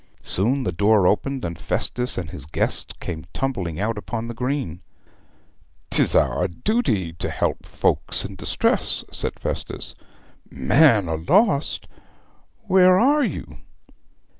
Soon the door opened, and Festus and his guests came tumbling out upon the green. ''Tis our duty to help folks in distress,' said Festus. 'Man a lost, where are you?'